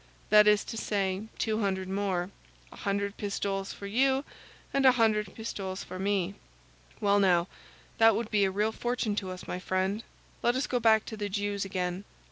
"That is to say, two hundred more—a hundred pistoles for you and a hundred pistoles for me. Well, now, that would be a real fortune to us, my friend; let us go back to the Jew's again."